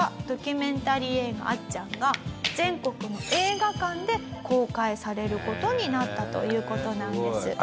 ドキュメンタリー映画『あっちゃん』が全国の映画館で公開される事になったという事なんです。